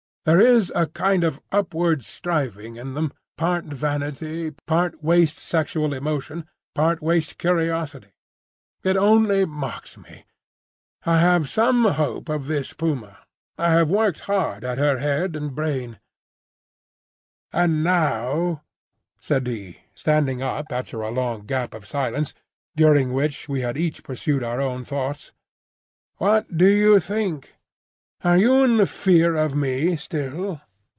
There is a kind of upward striving in them, part vanity, part waste sexual emotion, part waste curiosity. It only mocks me. I have some hope of this puma. I have worked hard at her head and brain— "And now," said he, standing up after a long gap of silence, during which we had each pursued our own thoughts, "what do you think? Are you in fear of me still?"